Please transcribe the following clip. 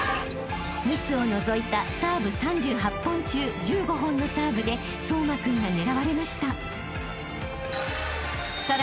［ミスを除いたサーブ３８本中１５本のサーブで颯真君が狙われました］